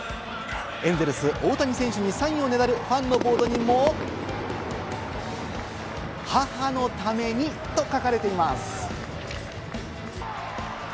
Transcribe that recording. エンゼルス・大谷選手にサインをねだるファンのボードにも、「母のために」と書かれています。